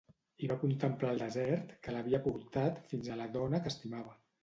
I va contemplar el desert que l'havia portat fins a la dona que estimava.